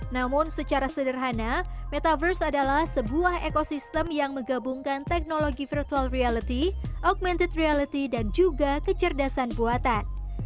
namun secara sederhana metaverse adalah sebuah ekosistem yang menggabungkan teknologi virtual reality augmented reality dan juga kecerdasan buatan